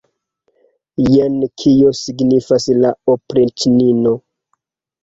Jen kion signifas la opriĉnino!